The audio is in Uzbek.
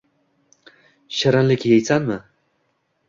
“Shirinlik yeysanmi?”